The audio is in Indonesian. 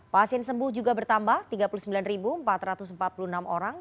pasien sembuh juga bertambah tiga puluh sembilan empat ratus empat puluh enam orang